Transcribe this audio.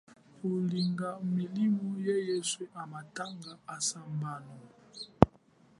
Ulinga milimo ye yeswe ha matangwa asambono.